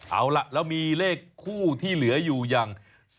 เอาล่ะแล้วมีเลขคู่ที่เหลืออยู่อย่าง